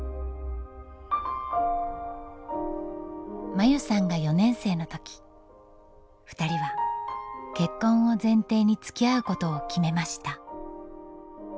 真優さんが４年生の時ふたりは結婚を前提につきあうことを決めました。